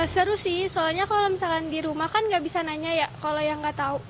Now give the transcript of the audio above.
seru sih soalnya kalau misalkan di rumah kan nggak bisa nanya ya kalau yang nggak tahu